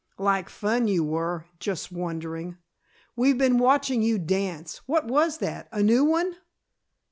"Like fun you were, just wondering. We've been watching you dance. What was that? A new one?"